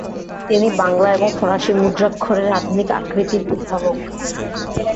তিনি বাংলা এবং ফরাসি মুদ্রাক্ষরের অধুনিক আকৃতির উদ্ভাবক।